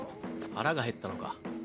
腹が減ったのか。